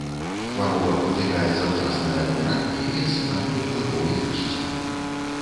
Хвароба выклікае заўчаснае адміранне і асыпанне пладоў і лісця.